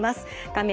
画面